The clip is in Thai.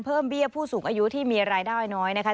เบี้ยผู้สูงอายุที่มีรายได้น้อยนะคะ